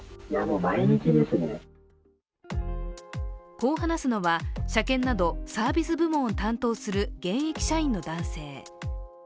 こう話すのは、車検などサービス部門を担当する現役社員の男性。